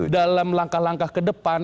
dalam langkah langkah kedepan